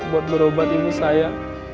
buat berobat ibu saya